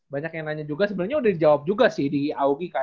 banyak yang nanya juga sebenernya udah dijawab juga sih di augi kan di koryko kan ya